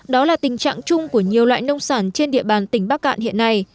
đó là tình trạng chung của nhiều loại nông sản trên địa bàn tỉnh bắc cạn hiện nay